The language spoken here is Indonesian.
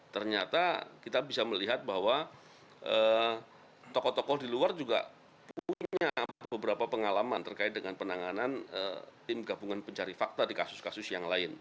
ternyata kita bisa melihat bahwa tokoh tokoh di luar juga punya beberapa pengalaman terkait dengan penanganan tim gabungan pencari fakta di kasus kasus yang lain